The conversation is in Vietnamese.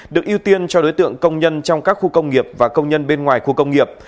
được ưu tiên cho đối tượng công nhân trong các khu công nghiệp và công nhân bên ngoài khu công nghiệp